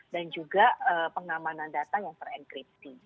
dan juga pengamanan data yang terenkripsi